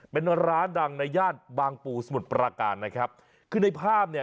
เป็นร้านดังในย่านบางปูสมุทรปราการนะครับคือในภาพเนี่ย